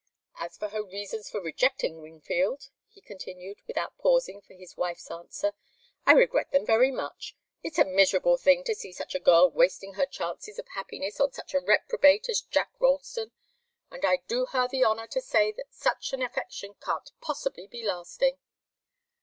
As for her reasons for rejecting Wingfield," he continued, without pausing for his wife's answer, "I regret them very much. It's a miserable thing to see such a girl wasting her chances of happiness on such a reprobate as Jack Ralston, and I do her the honour to say that such an affection can't possibly be lasting.